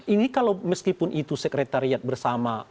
ini kalau meskipun itu sekretariat bersama